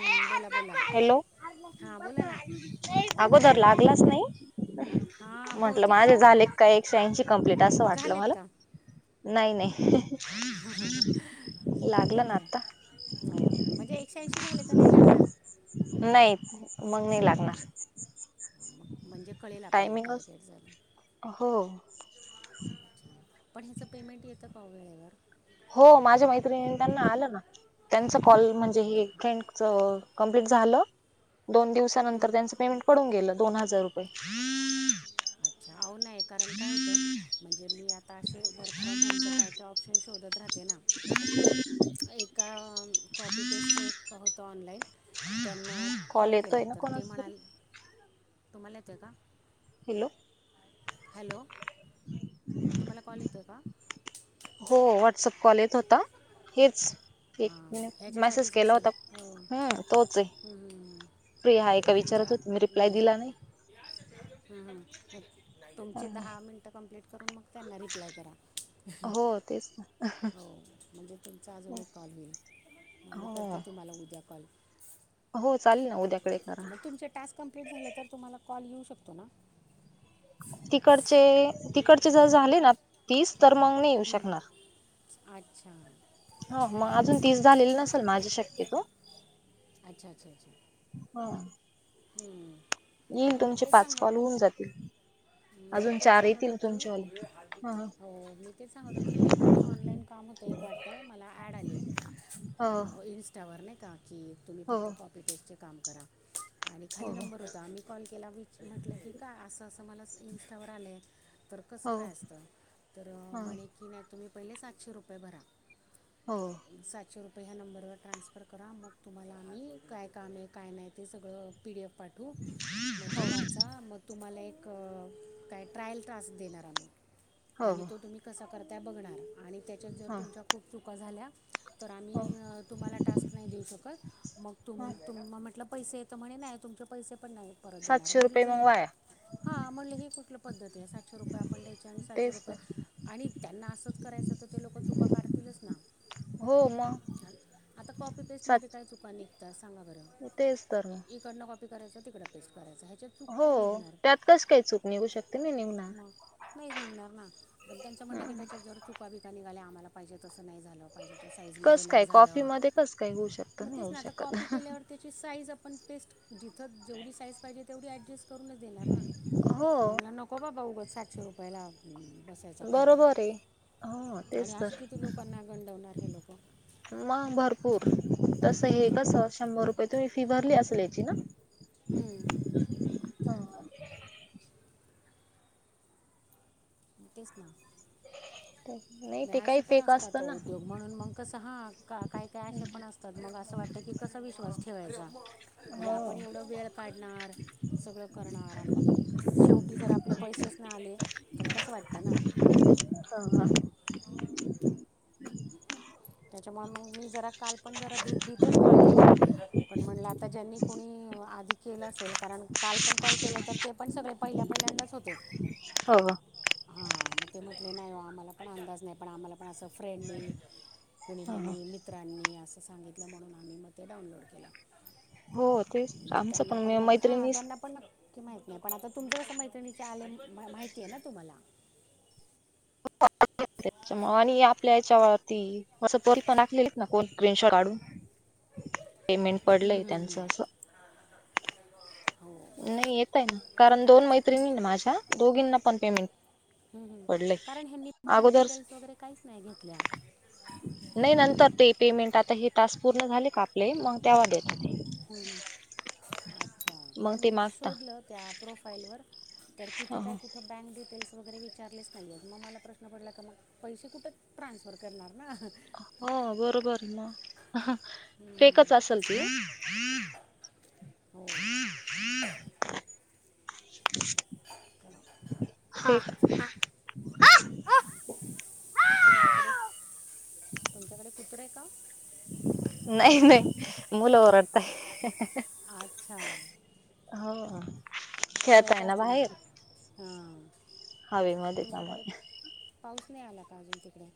हं, बोला बोला हॅलो हां बोला ना अगोदर लागलाच नाही हां म्हंटलं बहुतेक माझे काव झाले का एकशे ऐंशी कंप्लीट असं वाटलं झालेत मला का नाही नाही ठीक आहे लागलं ना ठीके आता हो म्हणजे एक सा शी झाले तर नाही लागणार नाही मग नाही लागणार म्हणजे कळेल आपल्याला टार्गेट झालं हो हो पण ह्याचं पेमेंट येतं पा वेळेवर हो माझ्या मैत्रिणीताांना आलं ना त्यांचा कॉल म्हणजे हे एक फ्रेंड कमप्लीट झालं दोन हं, दिवसानंतर त्यांचं पेमेंट पडून गेलं, दोन हजार रुपय अच्छा आ ओ नाही कारण काय होतं? म्हणजे मी आता असे वर्क फ्रॉम होमच काय क ही शोधत राहते ना? एका कॉपीपेस्टच एक होतं ऑनलाइन त्यांना कॉल येतोय केला, ना तर ते कोणाच तरी म्हणाले तुम्हाला येतंय का? हॅलो हॅलो तुम्हाला कॉल येतो का हो व्हॉट्सअप कॉल येत होता. हेच एक हां मॅ मॅसेज ह्याच्यासाठीच केला असेल होता. हो हा तोच ये. हं, हं. फ्री हाय का विचारत होती? मी रिप्लाय दिला नाही. ह ह. तुमचे दहा मिनटं कम्प्लीट करून, मग त्यांना रिप्लाय करा. हो तेच हो म्हणजे तुमचा अजून ना एक कॉल होईल, मग मी हो करते तुम्हाला उद्या कॉल. हो. चालेल ना उद्याकडे करा म तुमचे टास्क कम्प्लीट झाले तर, तुम्हाला कॉल येऊ शकतो ना? तिकडचे, तिकडचे जर झाले ना तीस? तर मंग नाही येऊ हं. शकणार. अच्छा हो म आजून तीस झालेली नसेल माझी शक्यतो. अच्छा अच्छा अच्छा ह हू म. येईल तुमचे पाच कॉल होऊन जातील. मी अजून तेच चार सांगत येतील होती. तुमच्यावाले ह हो मी तेच सांगत होती. एक ते ऑनलाईन काम म ते एक वाटतं मला ॲड आली, इन्स्टावर नाही का की तुम्ही हो फक्त हो कॉपी पेस्टचे काम करा. आणि खाली हो नंबर होता. आम्ही कॉल केला विच म्हटलं कि, का असं असं मला इंस्टावर आलंय. तर कसं हो काय असतं, तर ह म्हणे की नाही तुम्ही पहिले सातशे रुपये भरा. हो सातशे रुपय ह्या नंबरवर ट्रान्सफर करा. मग तुम्हाला आम्ही काय काम आहे? काय नाही? ते सगळं पी डी एफ पाठवू, मग ते वाचा मग तुम्हाला एक क काय ट्रायल ट्रास्क देणार आम्ही हो आणि हो तो तुम्ही कसा करता बघणार? आणि त्याच्यात जर, हो तुमच्या खूप चुका झाल्या तर आम्ही तुम्हाला टास्क नाही देऊ शकत, मग तुम तुम म्हटलं पैसे, तर म्हणे नाही. तुमचे पैसे सातशे रुपये मग वाया. हा म्हणलं हे कुठलं पद्धत ये? सातशे रुपये आपण द्यायची आणि सातशे तेच रुपये तर आणि त्यांना असंच कराय च त्याच्यात ते लोक चुका काढतीलच ना? हो. मग आता कॉपी पेस्ट मध्ये सात काय चुका निघता सांगा बरं? तेच तर मग इकडनं कॉपी करायचं तिकडे पेस्ट. करायचं ह्याच्यात चूक हो, काय निघणार त्यात कस काय चुक निघु मग नाहीच निघणार ना? पण त्यांचं म्हणण की, हम्म त्याच्यात जर चुका बिका निघाल्या मला पाहिजे तसं [inaudible] म्हणजे त्या साईज मधे कस नाही काय कॉफी झालं. मध्ये कस काय होऊ शकत मग नाही तेच होऊ ना, आता शकत कॉपी केल्यावर त्याची साईज आपण पेस्ट जिथं जेवढी साईज पाहिजे, तेवढी ऍडजस्ट करूनच देणार ना? हो. म्हणलं नको बाबा उगच सातशे रुपयला [unintelligible] बसायचा खड्डा बरोबर आहे हो आणि तेच असे तर किती लोकांना गंडवणार हे लोकं? मग भरपूर, तसं हे कसं शंभर रुपये तुम्ही फी भरली असल याची ना? हम्म. हा. तेच ना. नाही ते नाय काही असे पण फेक असतात असतं ना उद्योग, म्हणून मग कसं हा का काय काय असे पण असतात, मग असं वाटतं की कसं विश्वास ठेवायचा, म्हणजे आपण हो एवढं वेळ काढ णार सगळं करणार, आणि मग शेवटी जर आपले पैसेच नाही आले तर कसं वाटतं ना? हं हं. त्याच्यामुळे मग मी जरा काल आपण जरा भीत भीतच कॉल केले, पण म्हणलं आता ज्यांनी कुणी आधी केलं असेल, कारण काल पण कॉल केलं तर, ते पण सगळे पहिल्या पहिल्यांदाच होते. हो. हां मग ते म्हटले नाही हो आम्हाला पण अंदाज नाही. पण आम्हाला पण असं फ्रेंडली कुणी ह हयानी, मित्रांनी असं सांगितलं म्हणून आम्ही मग ते डाउनलोड केलं. हो तेच म्हणजे आमचं पण ने मैत्रिणीच माहित नाही पण आता तुमचं कसं मैत्रिणीचे आले, माहितीय ना तुम्हाला. त्याच्यामुळे आणि आपल्या याच्यावरती पोल पण न [unintelligible] कोण ग्रीन शॉर्ट काढून. [inaudible] पेमेंट पडलंय हम्म, हम्म, त्यांच हम्म. अस हो नाही येतय ना. कारण दोन मैत्रिणी माझ्या दोघींना पण पेमेंट हम्म हम्म पडलंय कारण ह्यांनी. बँक अगोदर डिटेल्स वगैरे काहीच नाही घेतल्या नाही नंतर ते पेमेंट आता हे टास्क पूर्ण झाले का आपले मग तेव्हा देत. ते हुं अच्छा मग कारण ते मी मागता शोधलं त्या प्रोफाईल वर तर तिथं हो काय कुठं बँक डिटेल्स वगैरे विचारलेच नाहीय मग मला प्रश्न पडला का मग पैसे कुठं ट्रान्सफर करणार ना. हा बरोबर म, हम्म, फेकच असल ते हो हम्म, हम्म. चला ह [inaudible] तुमच्याकडे तुमच्याकडे कुत्रा आहे का? नाही नाही मुलं ओरडतय, अच्छा हो, हो. खेळता खेळत आहे ना असतील बाहेर हां हवे मध्ये तुमच्याकडे त्यामुळे, पाऊस नाही आला का अजून तिकडे,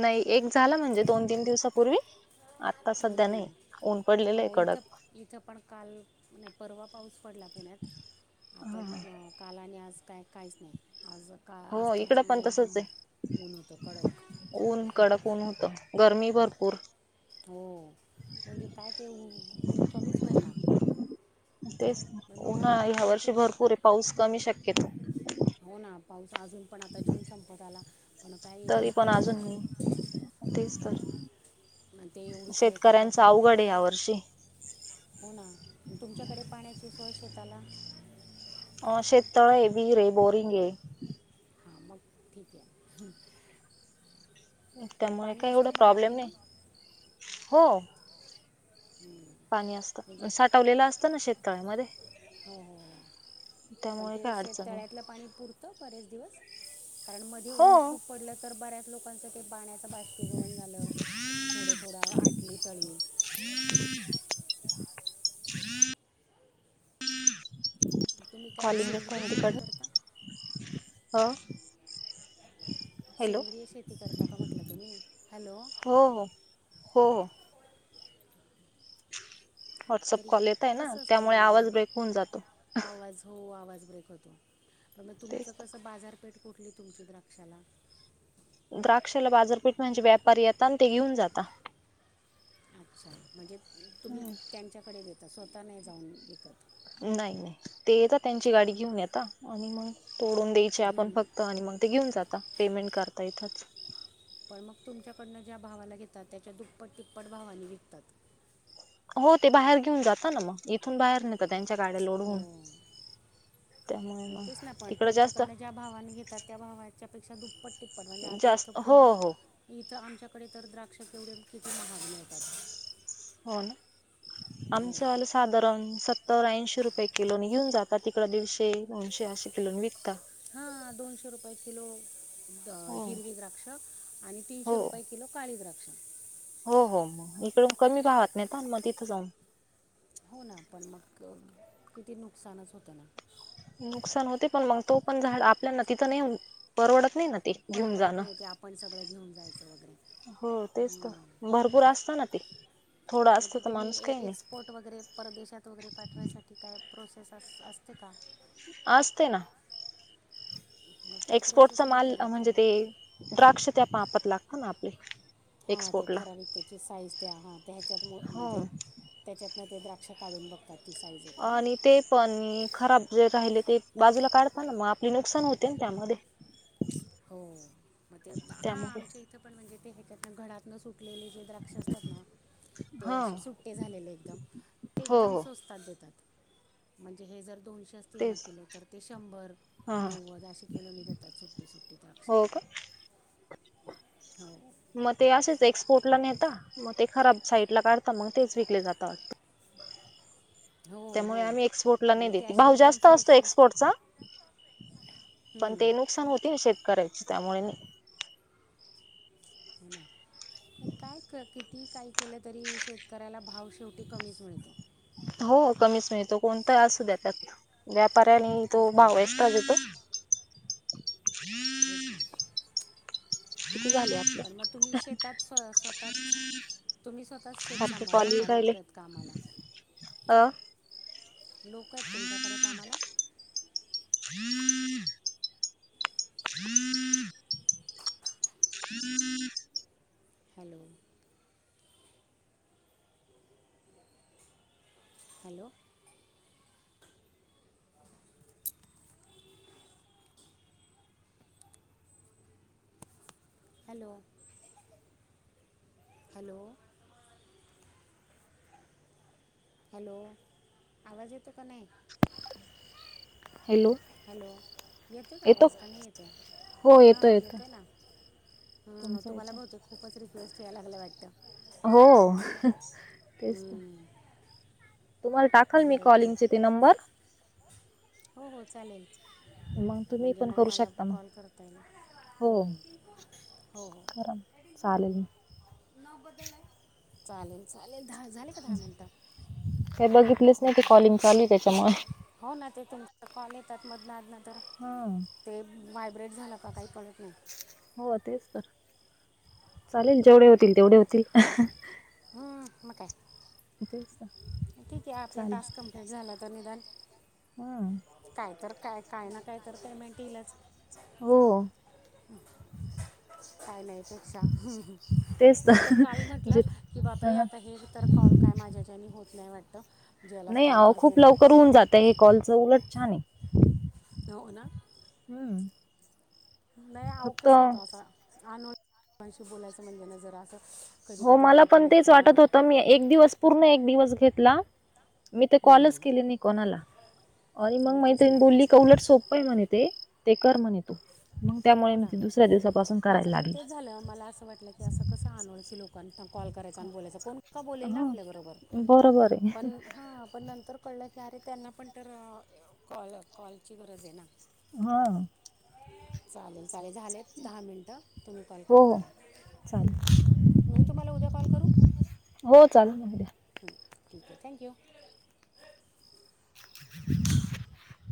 नाही एक झाला म्हणजे दोन तीन दिवसापूर्वी आता सध्या नाही. हम्म. पडलेलं आहे हो कडक इथं इथं पण काल परवा पाऊस पडला पुण्यात, आता काल आणि आज काय काहीच नाही. आज का हो आज तर इकड पण चांगलं तसच एकदम ऊन होतं आहे कडक ऊन कडक ऊन होतं गरमी. भरपूर. हो म्हणजे काय ते ऊन कमीच होइना. तेच उन्हा ह्या वर्षी तुम भरपूर आहे पाऊस कमी शक्यता. हो ना पाऊस अजून पण आता जून संपत आला पणता तरी एकच पण पाऊस झाला. अजून तेच तर आणि ते एवढस आहे का शेतकऱ्यांच पावसात अवघड आहे या वर्षी हो ना तुमच्याकडे पाण्याची सोय शेताला? अ शेतेतळ आहे, वीर आहे, बोरिंग आहे. हा मग ठीक आहे. पण त्यामुळे पाणी काय एवढा असतं बारा प्रॉब्लेम महिने नाही. हो, पाणी म्हणजे असतं साठवलेलं असतं ना शेतकळ्यामध्ये. हो हो हो. पण ते शेतळ्यातलं पाणी पुरतं बरेच दिवस? कारण मध्ये ऊन हो खूप पडलं तर बऱ्याच लोकांच पाण्याचं बाष्पीभवन झालं थोड, थोडा आटली तळी, हम्म. तुम्ही काय कॉलिंग सेंद्रिय शेती तिकडन करता? हो. हॅलो सेंद्रिय शेती करता का म्हटलं तुम्ही हॅलो, हो हो हो व्हॉट्सअप तरी कॉल येत आहे ना कसं असतं त्यामुळे म्हणजे आवाज ब्रेक होऊन जातो. तुम तेच कस बाारपेठ कुठली तुमच्या द्राक्षाला? द्राक्षाला बाजारपेठ म्हणजे व्यापारी येतात आणि ते घेऊन जाता. अच्छा म्हणजे तुम्ही त्यांच्याकडे देता स्वतः नाही जाऊन विकत नाही नाही ते येत त्यांची गाडी घेऊन येेत आणि मग, तोडून द्यायचे आपण घेऊन फक्त आणि मग ते घेऊन जाता पेमेंट करता इथंच. पण मग तुमच्याकडनं ज्या भावाला घेतात त्याच्या दुप्पट तिप्पट भावाने विकतात. हो ते बाहेर घेऊन जाता ना मग इथून बाहेर नेत त्यांच्या गाड्या हो लोडहोऊन. तेच ना पण तुमच्याकडनं ज्या भावाने घेतात त्या भावाच्या, पेक्षा दुप्पट टिप्पट म्हणजे आता इथं जास्त हो पुण्या हो इथं आमच्याकडे तर द्राक्ष एवढे, हो ना हो आमचलं साधारण तर ऐंशीे रुपये किलो घेऊनात तिकडे दीडशे दोनशे असे किलो विकत हा दोनशे रुपये किलो द हो हिरवी द्राक्ष आणि तीनशे हो रुपये किलो काळी द्राक्ष हो हो मग इकड कमी पाहत नाहीता मग तिथं जाऊन हो ना पण मग किती नुकसानच होतं ना नुकसान होते पण मग तो पण झाड आपल्याना तिथं नाही परवडत नाही ना ते घेऊन परवडत जाणं नाही ते आपण सगळं घेऊन जायचं वगैरे हो तेच तर भरपूर असत ना ते थोडं मग असतं ते तर तुम्ही माणूस काही नाही एक्सपोर्ट वगैरे परदेशात वगैरे पाठवासाठी काय प्रो ते असते का असते ना मग ती प्रोसेस एक्सपोर्टचा नाही माल करत म्हणजे का ते द्राक्ष त्या पापात लागत ह ना आपले हा ते एक्सपोर्टला ठराविक त्याची साईज द हा त्याच्यात हो म्हणजे त्याच्यातन ते द पक्ष काढून बघतात ती साईज आहे का ना आणि ते पण खराब जे राहिले ते बाजूला काढताना मग आपले नुकसान होते त्यामध्ये हो मग ते हा त्यामुळे आमच्या इथं पण म्हणजे ते ह्याच्यात घरातन सु टकलेली जे द्राक्ष असतात ना ते हा असे सुट्टे झालेले एकदम ते हो एकदम हो सोस्तात देतात म्हणजे हे जर दोनशे असतील ना तेच किलो तर ते शंभर हा नव्वद अे किलोनी देतात सुट्टी सुट्टी द्राक्ष हो का हो मग ते असेच एक्सपोर्ट नता मग ते खराब साईड ला काढता मग तेच विकले जात हो त्यामुळे हो आम्ही एक्सपोर्टला नाही म्हणजे ते देते असे भाव एकदम जास्त असतो फ्रेश नसते एक्सपोर्टचा पण हम्म, ते नुकसान होते ना शेतकऱ्याचे त्यामुळे काय किती काही केलं तरी शेतकऱ्याला भाव शेवटी कमीच मिळत तो कोणता असू द्या त्यात व्यापाऱ्यानी तो तेच की भाव आहेस पाजू तो ते सण झाले ह् स्व स्वतःच तुम्ही स्वतः शेत सांभाळता का लोक आहेत का आम्हाला अं लोक आहेत तुमच्याकडे कामाला hello hello hello hello hello आवाज येतोक हॅलो हॅलो येतोय का येतो आवाज का नाही येते हा येतो हो येतो येतोय ना हम तुमचा तुम्हाला येतो बहुते खूपच रिक्वेस्ट यायला लागलं वाटतं हो तेच हं, तुम्हाला टाकाल मी बरं आहे कॉलिंगचे की ते नंबर हो हो चालेल मग तुम्ही म्हणजे पण मग करू मला शकता मग कॉल करता येईल हो हो चालेलल ल चालेल चालेल दहा झाले का दहा मिनिट काही बघितलेच नाही ते तु झा कॉलिंग चालू आहे त्याच्यामुळे हो ना ते तुमचा कॉल येतात मदनाज तर हा ते व्हायब्रेट झालं का काही कळत नाही हो तेच तर चालेल जेवढे होतील तेवढे होतील हम् मग काय तेच तर ठीक आहे आपला टास्क कम्प्लीट झाला तर निदान- हमम काय तर काय काय ना काय तर पेमेंट येईलच हो काय नाहीपेक्षा तेच मी तर काल म्हटलं जे की बापरे हां. आता हे इ तरर कॉल काय माझ्याच्यानी होत नाही वाटत नाही हो खूप लवकर होऊन जातय हे कॉलच उलट छान आहे तर ना हम्म नाही अव फक्त कस होत असं अनोळशी बोलायचं म्हणजे ना जरा असं कधी हो कधी मला दडपण पण तेच येतं ना वाटत होत मी एक दिवस पूर्ण एक दिवस घेतला मी ते कॉलच हम्म, केले नाही कोणाला आणि मग तेच माहि ना बोलली का उलट सोपंय म्हणित ते ते कर म्हणे तो हो ना माझं पण लागली तेच झालं मला असं वाटलं की असं कसं आण लोकां कॉ करायचा आणि बोलायचा कोण बोलेल ना आपल्या बरोबर हां बरोबर आहे पण हा पण नंतर कळ अरे त्यांना पण तर कॉल कॉलची गरज आहे ना हा चालेल चालेल झाले दहा मिनटं तुम्ही कॉल हो कट हो करा चालेल मीळ तुम्हाला उद्या कॉल करू चाल ठीक आहे थँक्यू [inaudible]